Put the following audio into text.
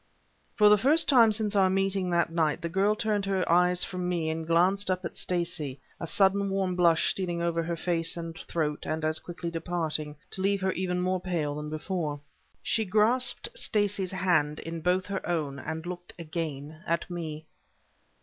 For the first time since our meeting that night, the girl turned her eyes from me and glanced up at Stacey, a sudden warm blush stealing over her face and throat and as quickly departing, to leave her even more pale than before. She grasped Stacey's hand in both her own and looked again at me.